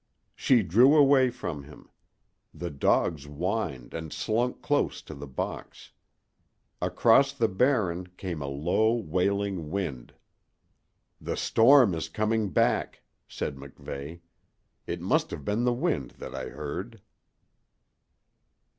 She drew away from him. The dogs whined and slunk close to the box. Across the Barren came a low, wailing wind. "The storm is coming back," said MacVeigh. "It must have been the wind that I heard."